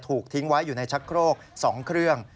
ถูกทิ้งไว้อยู่ในชักโครก๒เครื่อง